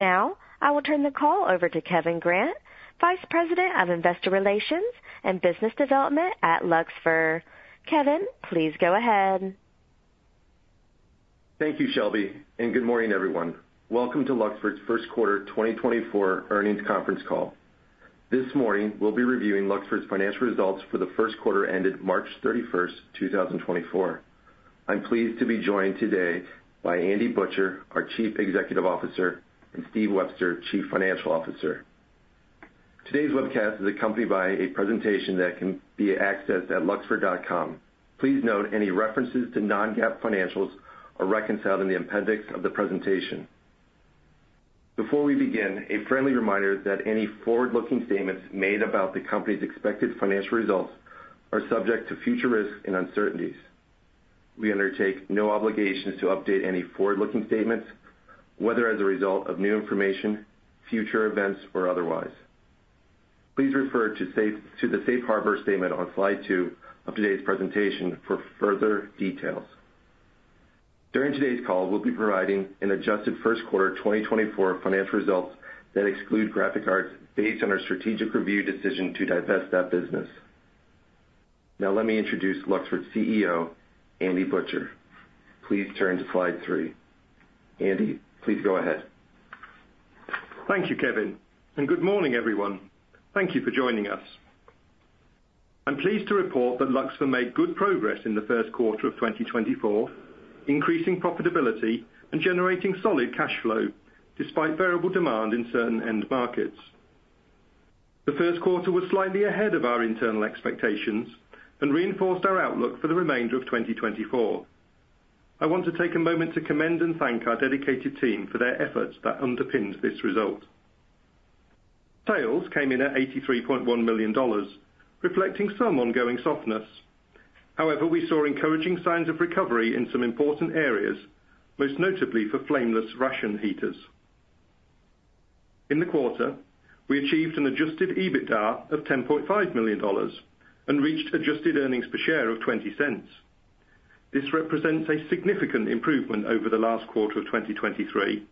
Now I will turn the call over to Kevin Grant, Vice President of Investor Relations and Business Development at Luxfer. Kevin, please go ahead. Thank you, Shelby, and good morning, everyone. Welcome to Luxfer's First Quarter 2024 Earnings Conference Call. This morning we'll be reviewing Luxfer's financial results for the first quarter ended March 31st, 2024. I'm pleased to be joined today by Andy Butcher, our Chief Executive Officer, and Steve Webster, Chief Financial Officer. Today's webcast is accompanied by a presentation that can be accessed at luxfer.com. Please note any references to non-GAAP financials are reconciled in the appendix of the presentation. Before we begin, a friendly reminder that any forward-looking statements made about the company's expected financial results are subject to future risk and uncertainties. We undertake no obligations to update any forward-looking statements, whether as a result of new information, future events, or otherwise. Please refer to the Safe Harbor statement on slide two of today's presentation for further details. During today's call, we'll be providing an adjusted first quarter 2024 financial results that exclude Graphic Arts based on our strategic review decision to divest that business. Now let me introduce Luxfer's CEO, Andy Butcher. Please turn to slide three. Andy, please go ahead. Thank you, Kevin, and good morning, everyone. Thank you for joining us. I'm pleased to report that Luxfer made good progress in the first quarter of 2024, increasing profitability and generating solid cash flow despite variable demand in certain end markets. The first quarter was slightly ahead of our internal expectations and reinforced our outlook for the remainder of 2024. I want to take a moment to commend and thank our dedicated team for their efforts that underpinned this result. Sales came in at $83.1 million, reflecting some ongoing softness. However, we saw encouraging signs of recovery in some important areas, most notably for Flameless Ration Heaters. In the quarter, we achieved an Adjusted EBITDA of $10.5 million and reached adjusted earnings per share of $0.20. This represents a significant improvement over the last quarter of 2023,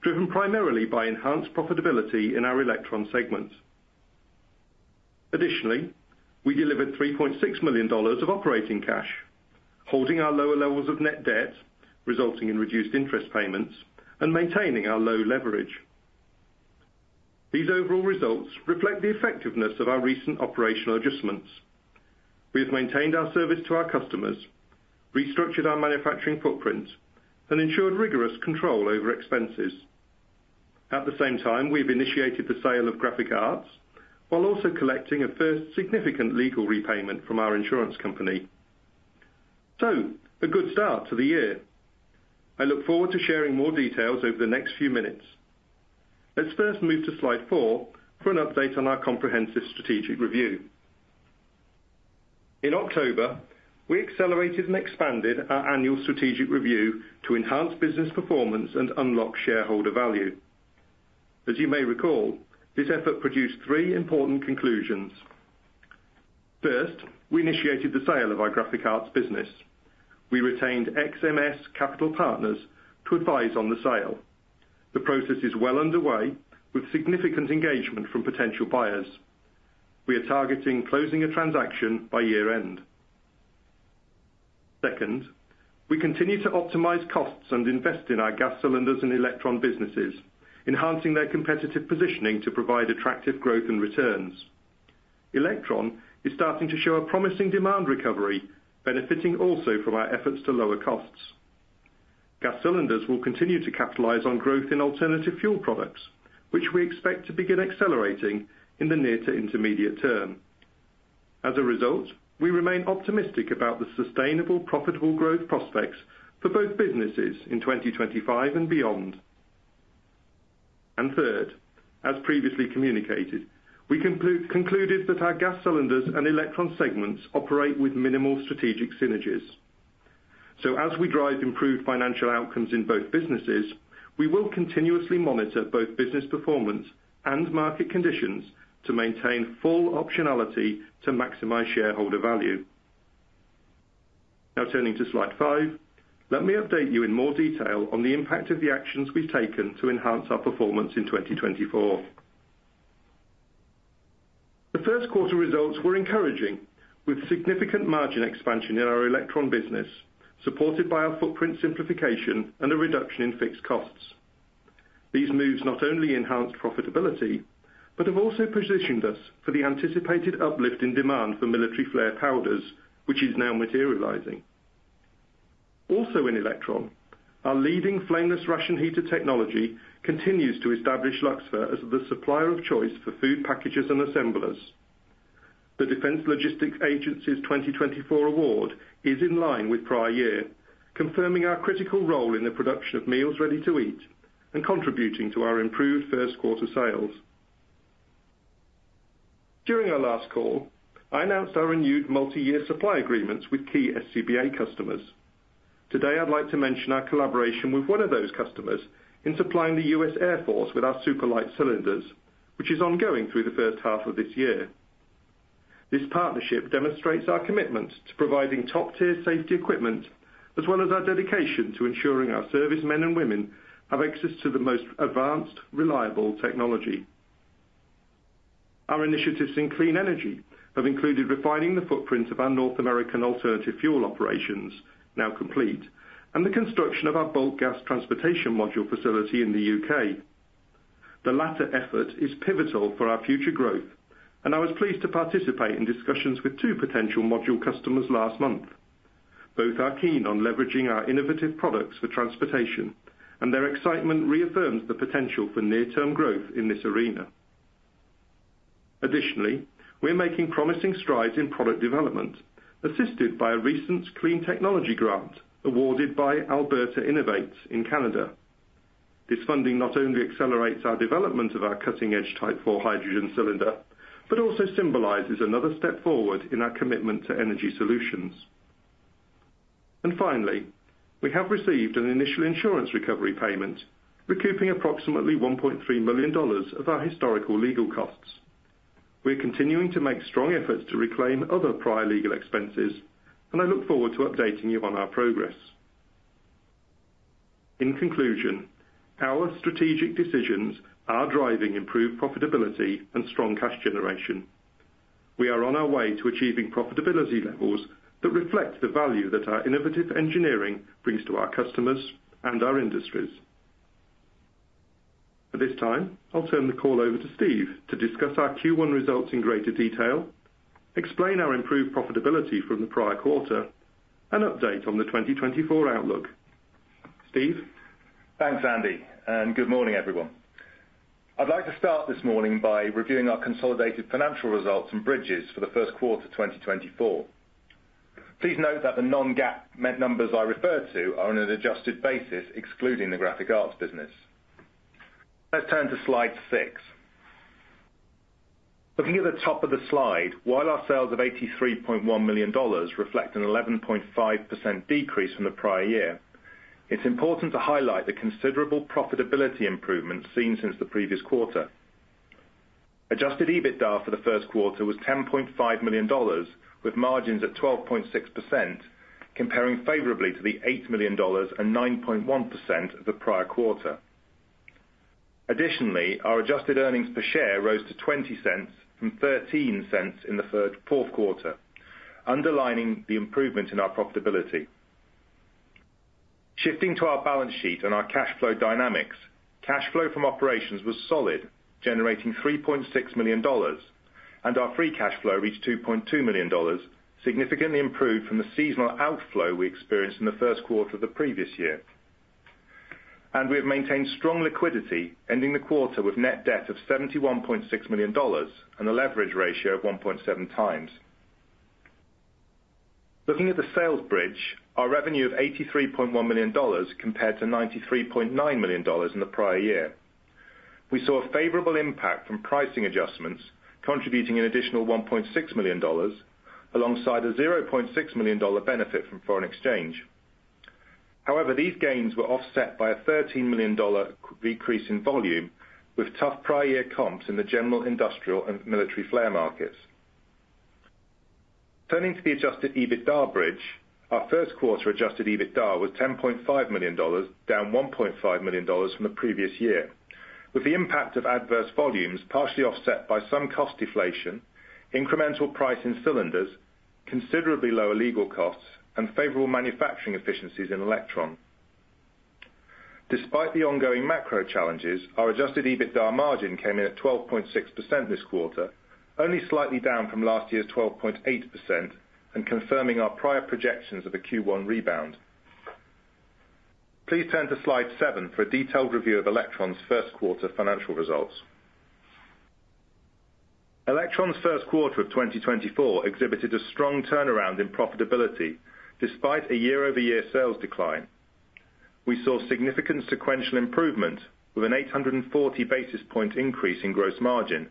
driven primarily by enhanced profitability in our Elektron segment. Additionally, we delivered $3.6 million of operating cash, holding our lower levels of net debt, resulting in reduced interest payments, and maintaining our low leverage. These overall results reflect the effectiveness of our recent operational adjustments. We have maintained our service to our customers, restructured our manufacturing footprint, and ensured rigorous control over expenses. At the same time, we have initiated the sale of Graphic Arts while also collecting a first significant legal repayment from our insurance company. So, a good start to the year. I look forward to sharing more details over the next few minutes. Let's first move to slide four for an update on our comprehensive strategic review. In October, we accelerated and expanded our annual strategic review to enhance business performance and unlock shareholder value. As you may recall, this effort produced three important conclusions. First, we initiated the sale of our Graphic Arts business. We retained XMS Capital Partners to advise on the sale. The process is well underway with significant engagement from potential buyers. We are targeting closing a transaction by year-end. Second, we continue to optimize costs and invest in our Gas Cylinders and Elektron businesses, enhancing their competitive positioning to provide attractive growth and returns. Elektron is starting to show a promising demand recovery, benefiting also from our efforts to lower costs. Gas Cylinders will continue to capitalize on growth in alternative fuel products, which we expect to begin accelerating in the near to intermediate term. As a result, we remain optimistic about the sustainable, profitable growth prospects for both businesses in 2025 and beyond. And third, as previously communicated, we concluded that our Gas Cylinders and Elektron segments operate with minimal strategic synergies. So, as we drive improved financial outcomes in both businesses, we will continuously monitor both business performance and market conditions to maintain full optionality to maximize shareholder value. Now turning to slide five, let me update you in more detail on the impact of the actions we've taken to enhance our performance in 2024. The first quarter results were encouraging, with significant margin expansion in our Elektron business supported by our footprint simplification and a reduction in fixed costs. These moves not only enhanced profitability but have also positioned us for the anticipated uplift in demand for military flare powders, which is now materializing. Also in Elektron, our leading Flameless Ration Heater technology continues to establish Luxfer as the supplier of choice for food packagers and assemblers. The Defense Logistics Agency's 2024 award is in line with prior year, confirming our critical role in the production of Meals Ready-to-Eat and contributing to our improved first quarter sales. During our last call, I announced our renewed multi-year supply agreements with key SCBA customers. Today, I'd like to mention our collaboration with one of those customers in supplying the U.S. Air Force with our SuperLight cylinders, which is ongoing through the first half of this year. This partnership demonstrates our commitment to providing top-tier safety equipment as well as our dedication to ensuring our servicemen and women have access to the most advanced, reliable technology. Our initiatives in clean energy have included refining the footprint of our North American alternative fuel operations, now complete, and the construction of our bulk gas transportation module facility in the U.K. The latter effort is pivotal for our future growth, and I was pleased to participate in discussions with two potential module customers last month. Both are keen on leveraging our innovative products for transportation, and their excitement reaffirms the potential for near-term growth in this arena. Additionally, we're making promising strides in product development, assisted by a recent clean technology grant awarded by Alberta Innovates in Canada. This funding not only accelerates our development of our cutting-edge Type 4 hydrogen cylinder but also symbolizes another step forward in our commitment to energy solutions. And finally, we have received an initial insurance recovery payment, recouping approximately $1.3 million of our historical legal costs. We're continuing to make strong efforts to reclaim other prior legal expenses, and I look forward to updating you on our progress. In conclusion, our strategic decisions are driving improved profitability and strong cash generation. We are on our way to achieving profitability levels that reflect the value that our innovative engineering brings to our customers and our industries. At this time, I'll turn the call over to Steve to discuss our Q1 results in greater detail, explain our improved profitability from the prior quarter, and update on the 2024 outlook. Steve. Thanks, Andy, and good morning, everyone. I'd like to start this morning by reviewing our consolidated financial results and bridges for the first quarter 2024. Please note that the non-GAAP numbers I refer to are on an adjusted basis excluding the Graphic Arts business. Let's turn to slide six. Looking at the top of the slide, while our sales of $83.1 million reflect an 11.5% decrease from the prior year, it's important to highlight the considerable profitability improvements seen since the previous quarter. Adjusted EBITDA for the first quarter was $10.5 million, with margins at 12.6%, comparing favorably to the $8 million and 9.1% of the prior quarter. Additionally, our adjusted earnings per share rose to $0.20 from $0.13 in the fourth quarter, underlining the improvement in our profitability. Shifting to our balance sheet and our cash flow dynamics, cash flow from operations was solid, generating $3.6 million, and our free cash flow reached $2.2 million, significantly improved from the seasonal outflow we experienced in the first quarter of the previous year. We have maintained strong liquidity, ending the quarter with net debt of $71.6 million and a leverage ratio of 1.7x. Looking at the sales bridge, our revenue of $83.1 million compared to $93.9 million in the prior year. We saw a favorable impact from pricing adjustments, contributing an additional $1.6 million alongside a $0.6 million benefit from foreign exchange. However, these gains were offset by a $13 million decrease in volume, with tough prior-year comps in the general industrial and military flare markets. Turning to the adjusted EBITDA bridge, our first quarter adjusted EBITDA was $10.5 million, down $1.5 million from the previous year, with the impact of adverse volumes partially offset by some cost deflation, incremental price in cylinders, considerably lower legal costs, and favorable manufacturing efficiencies in Elektron. Despite the ongoing macro challenges, our adjusted EBITDA margin came in at 12.6% this quarter, only slightly down from last year's 12.8% and confirming our prior projections of a Q1 rebound. Please turn to slide seven for a detailed review of Elektron's first quarter financial results. Elektron's first quarter of 2024 exhibited a strong turnaround in profitability despite a year-over-year sales decline. We saw significant sequential improvement, with an 840 basis point increase in gross margin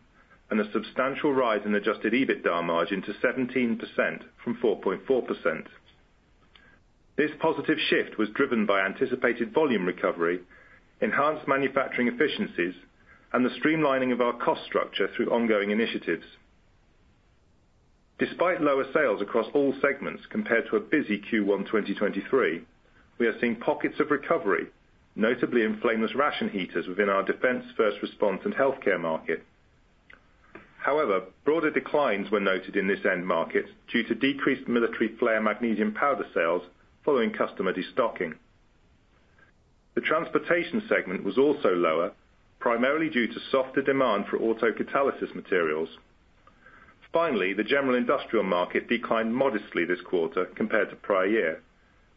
and a substantial rise in adjusted EBITDA margin to 17% from 4.4%. This positive shift was driven by anticipated volume recovery, enhanced manufacturing efficiencies, and the streamlining of our cost structure through ongoing initiatives. Despite lower sales across all segments compared to a busy Q1 2023, we are seeing pockets of recovery, notably in Flameless Ration Heaters within our defense, first response, and healthcare market. However, broader declines were noted in this end market due to decreased military flare magnesium powder sales following customer destocking. The transportation segment was also lower, primarily due to softer demand for autocatalyst materials. Finally, the general industrial market declined modestly this quarter compared to prior year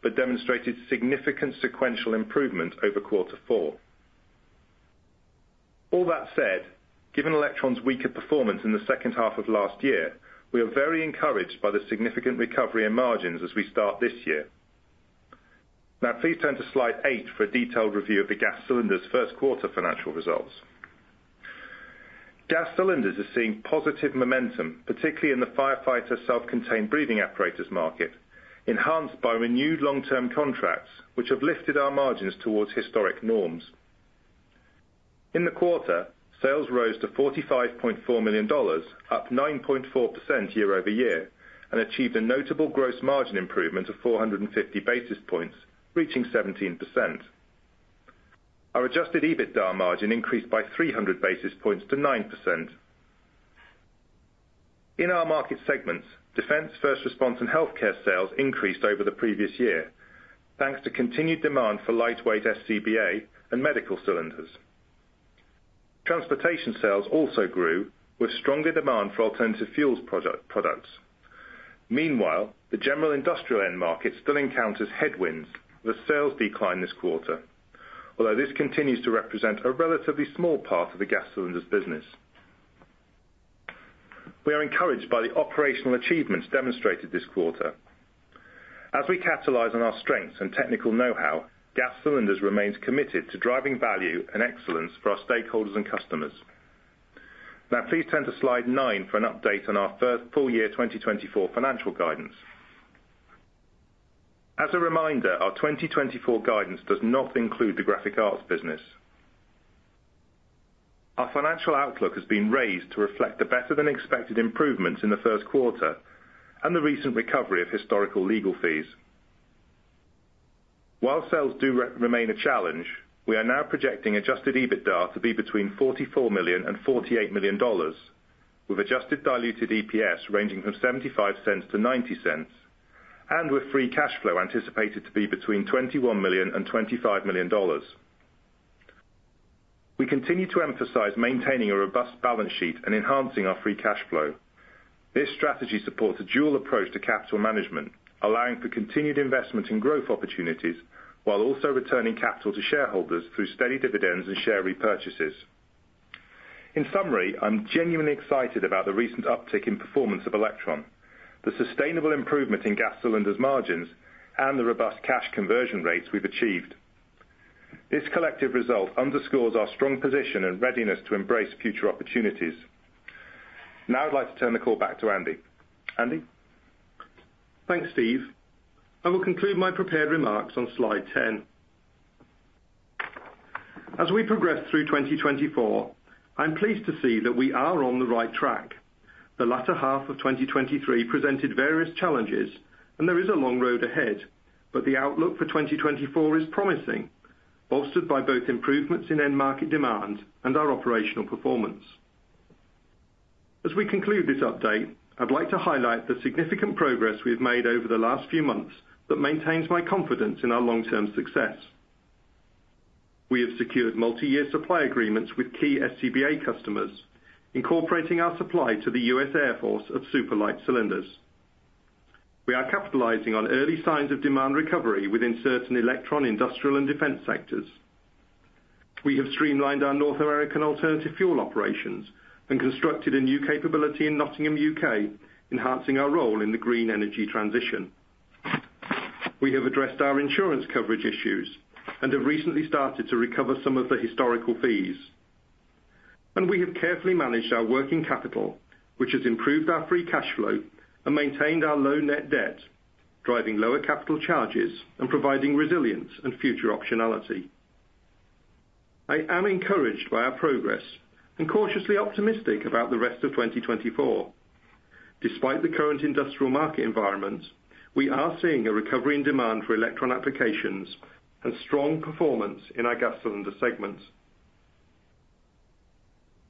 but demonstrated significant sequential improvement over quarter four. All that said, given Elektron's weaker performance in the second half of last year, we are very encouraged by the significant recovery in margins as we start this year. Now, please turn to slide eight for a detailed review of the Gas Cylinders' first quarter financial results. Gas Cylinders are seeing positive momentum, particularly in the firefighter self-contained breathing apparatus market, enhanced by renewed long-term contracts, which have lifted our margins towards historic norms. In the quarter, sales rose to $45.4 million, up 9.4% year-over-year, and achieved a notable gross margin improvement of 450 basis points, reaching 17%. Our adjusted EBITDA margin increased by 300 basis points to 9%. In our market segments, defense, first response, and healthcare sales increased over the previous year, thanks to continued demand for lightweight SCBA and medical cylinders. Transportation sales also grew, with stronger demand for alternative fuels products. Meanwhile, the general industrial end market still encounters headwinds with a sales decline this quarter, although this continues to represent a relatively small part of the Gas Cylinders business. We are encouraged by the operational achievements demonstrated this quarter. As we capitalize on our strengths and technical know-how, Gas Cylinders remains committed to driving value and excellence for our stakeholders and customers. Now, please turn to slide nine for an update on our first full-year 2024 financial guidance. As a reminder, our 2024 guidance does not include the Graphic Arts business. Our financial outlook has been raised to reflect the better-than-expected improvements in the first quarter and the recent recovery of historical legal fees. While sales do remain a challenge, we are now projecting Adjusted EBITDA to be between $44 million-$48 million, with Adjusted Diluted EPS ranging from $0.75-$0.90 and with free cash flow anticipated to be between $21 million-$25 million. We continue to emphasize maintaining a robust balance sheet and enhancing our free cash flow. This strategy supports a dual approach to capital management, allowing for continued investment in growth opportunities while also returning capital to shareholders through steady dividends and share repurchases. In summary, I'm genuinely excited about the recent uptick in performance of Elektron, the sustainable improvement in Gas Cylinders' margins, and the robust cash conversion rates we've achieved. This collective result underscores our strong position and readiness to embrace future opportunities. Now, I'd like to turn the call back to Andy. Andy. Thanks, Steve. I will conclude my prepared remarks on slide 10. As we progress through 2024, I'm pleased to see that we are on the right track. The latter half of 2023 presented various challenges, and there is a long road ahead, but the outlook for 2024 is promising, bolstered by both improvements in end market demand and our operational performance. As we conclude this update, I'd like to highlight the significant progress we've made over the last few months that maintains my confidence in our long-term success. We have secured multi-year supply agreements with key SCBA customers, incorporating our supply to the U.S. Air Force of SuperLight cylinders. We are capitalizing on early signs of demand recovery within certain Elektron industrial and defense sectors. We have streamlined our North American alternative fuel operations and constructed a new capability in Nottingham, U.K., enhancing our role in the green energy transition. We have addressed our insurance coverage issues and have recently started to recover some of the historical fees. We have carefully managed our working capital, which has improved our free cash flow and maintained our low net debt, driving lower capital charges and providing resilience and future optionality. I am encouraged by our progress and cautiously optimistic about the rest of 2024. Despite the current industrial market environment, we are seeing a recovery in demand for Elektron applications and strong performance in our Gas Cylinder segments.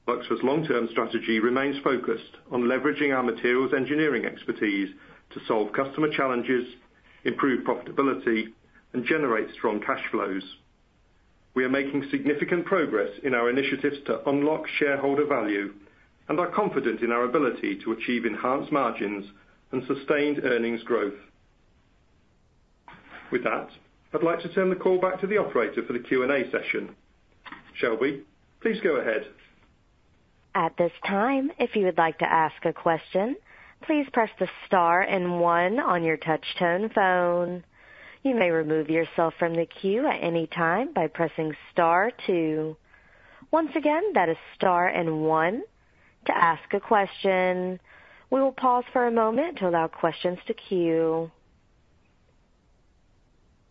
Luxfer's long-term strategy remains focused on leveraging our materials engineering expertise to solve customer challenges, improve profitability, and generate strong cash flows. We are making significant progress in our initiatives to unlock shareholder value, and I'm confident in our ability to achieve enhanced margins and sustained earnings growth. With that, I'd like to turn the call back to the operator for the Q&A session. Shelby, please go ahead. At this time, if you would like to ask a question, please press the star and one on your touch-tone phone. You may remove yourself from the queue at any time by pressing star two. Once again, that is star and one to ask a question. We will pause for a moment to allow questions to queue.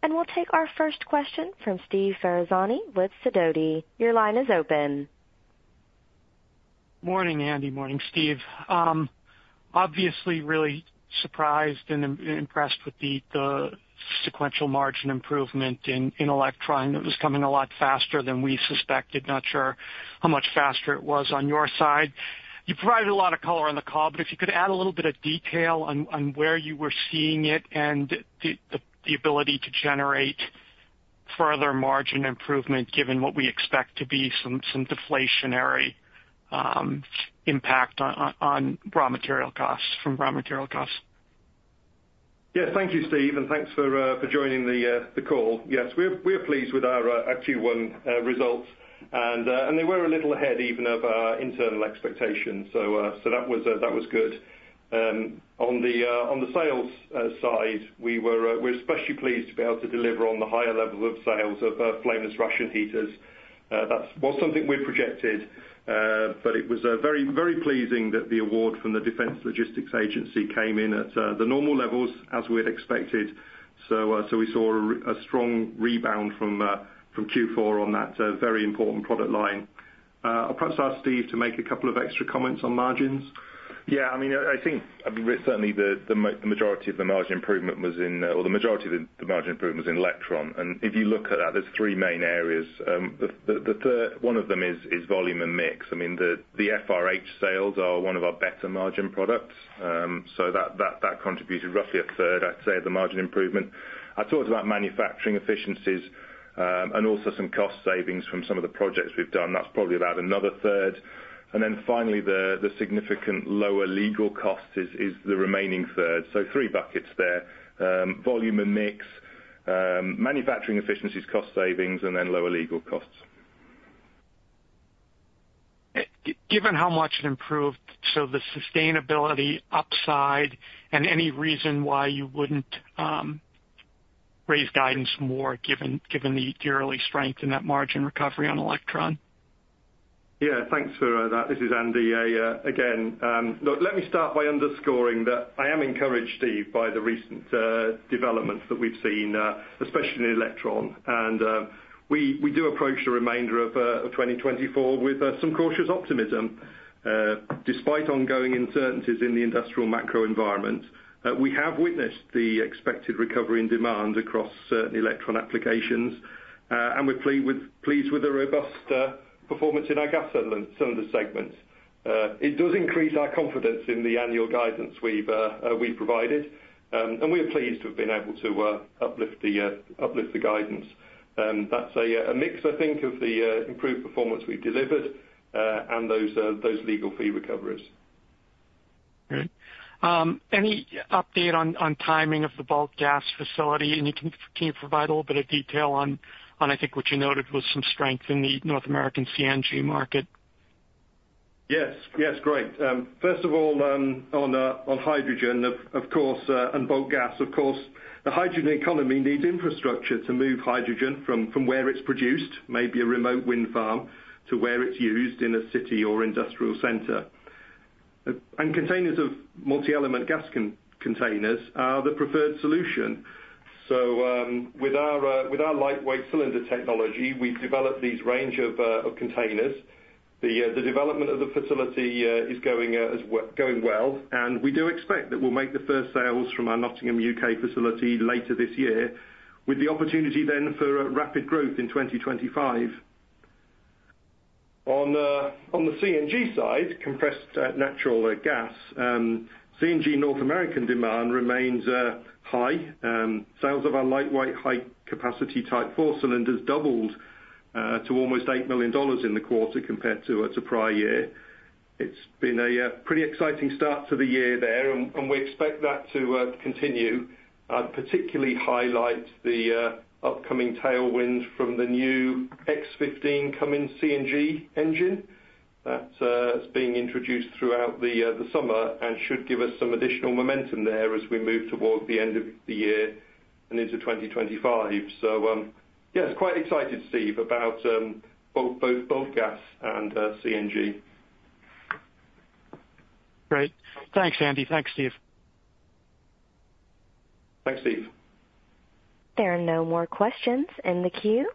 And we'll take our first question from Steve Ferazani with Sidoti. Your line is open. Morning, Andy. Morning, Steve. Obviously, really surprised and impressed with the sequential margin improvement in Elektron. It was coming a lot faster than we suspected. Not sure how much faster it was on your side. You provided a lot of color on the call, but if you could add a little bit of detail on where you were seeing it and the ability to generate further margin improvement given what we expect to be some deflationary impact on raw material costs. Yes, thank you, Steve, and thanks for joining the call. Yes, we're pleased with our Q1 results, and they were a little ahead even of our internal expectations, so that was good. On the sales side, we're especially pleased to be able to deliver on the higher levels of sales of Flameless Ration Heaters. That was something we'd projected, but it was very pleasing that the award from the Defense Logistics Agency came in at the normal levels, as we had expected. So we saw a strong rebound from Q4 on that very important product line. I'll perhaps ask Steve to make a couple of extra comments on margins. Yeah, I mean, I think certainly the majority of the margin improvement was in Elektron. And if you look at that, there's three main areas. One of them is volume and mix. I mean, the FRH sales are one of our better margin products, so that contributed roughly a third, I'd say, of the margin improvement. I talked about manufacturing efficiencies and also some cost savings from some of the projects we've done. That's probably about another third. And then finally, the significant lower legal costs is the remaining third. So three buckets there: volume and mix, manufacturing efficiencies, cost savings, and then lower legal costs. Given how much it improved, so the sustainability upside and any reason why you wouldn't raise guidance more given the early strength in that margin recovery on Elektron? Yeah, thanks for that. This is Andy. Again, look, let me start by underscoring that I am encouraged, Steve, by the recent developments that we've seen, especially in Elektron. We do approach the remainder of 2024 with some cautious optimism. Despite ongoing uncertainties in the industrial macro environment, we have witnessed the expected recovery in demand across certain Elektron applications, and we're pleased with the robust performance in our Gas Cylinders segments. It does increase our confidence in the annual guidance we've provided, and we are pleased to have been able to uplift the guidance. That's a mix, I think, of the improved performance we've delivered and those legal fee recoveries. All right. Any update on timing of the bulk gas facility? Can you provide a little bit of detail on, I think, what you noted was some strength in the North American CNG market? Yes, yes, great. First of all, on hydrogen, of course, and bulk gas, of course, the hydrogen economy needs infrastructure to move hydrogen from where it's produced, maybe a remote wind farm, to where it's used in a city or industrial center. And containers of multi-element gas containers are the preferred solution. So with our lightweight cylinder technology, we've developed these range of containers. The development of the facility is going well, and we do expect that we'll make the first sales from our Nottingham, U.K. facility later this year, with the opportunity then for rapid growth in 2025. On the CNG side, compressed natural gas, CNG North American demand remains high. Sales of our lightweight, high-capacity Type 4 cylinders doubled to almost $8 million in the quarter compared to prior year. It's been a pretty exciting start to the year there, and we expect that to continue. I'd particularly highlight the upcoming tailwind from the new X15 Cummins CNG engine that's being introduced throughout the summer and should give us some additional momentum there as we move towards the end of the year and into 2025. So yes, quite excited, Steve, about both bulk gas and CNG. Great. Thanks, Andy. Thanks, Steve. Thanks, Steve. There are no more questions in the queue.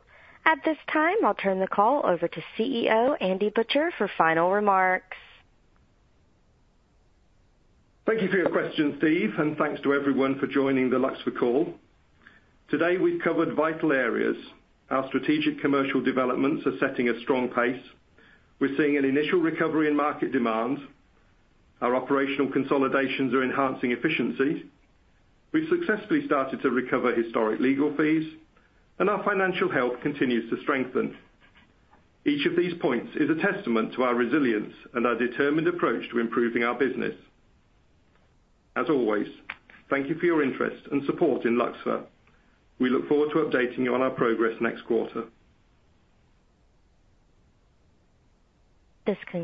At this time, I'll turn the call over to CEO Andy Butcher for final remarks. Thank you for your questions, Steve, and thanks to everyone for joining the Luxfer call. Today, we've covered vital areas. Our strategic commercial developments are setting a strong pace. We're seeing an initial recovery in market demand. Our operational consolidations are enhancing efficiencies. We've successfully started to recover historic legal fees, and our financial health continues to strengthen. Each of these points is a testament to our resilience and our determined approach to improving our business. As always, thank you for your interest and support in Luxfer. We look forward to updating you on our progress next quarter. This.